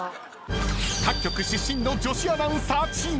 ［各局出身の女子アナウンサーチーム］